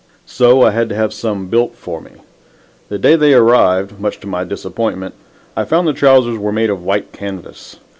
So I had to have some built for me. The day they arrived, much to my disappointment, I found the trousers were made of white canvas.